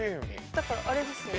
だからあれですよね。